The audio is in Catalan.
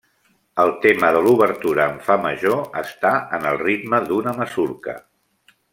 El tema de l'obertura, en fa major, està en el ritme d'una masurca.